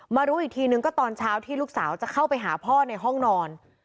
รู้อีกทีนึงก็ตอนเช้าที่ลูกสาวจะเข้าไปหาพ่อในห้องนอน